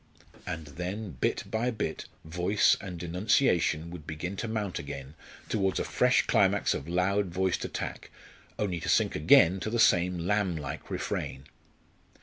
and then bit by bit voice and denunciation would begin to mount again towards a fresh climax of loud voiced attack, only to sink again to the same lamb like refrain.